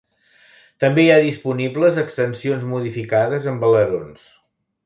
També hi ha disponibles extensions modificades amb alerons.